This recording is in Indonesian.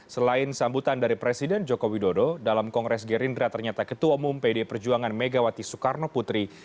selain sambutan dari presiden joko widodo dalam kongres gerindra ternyata ketua umum pd perjuangan megawati soekarno putri